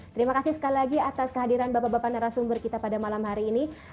terima kasih sekali lagi atas kehadiran bapak bapak narasumber kita pada malam hari ini